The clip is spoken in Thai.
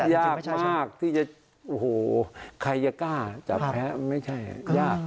ยากมากที่จะโอ้โหใครจะกล้าจับแพ้ไม่ใช่ยาก